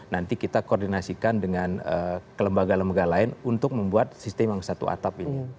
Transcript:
nanti kita koordinasikan dengan kelembagaan lembaga lain untuk membuat sistem yang satu atap ini